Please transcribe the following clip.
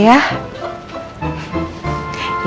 maafin putri ya